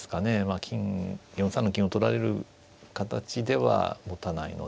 金４三の金を取られる形ではもたないので。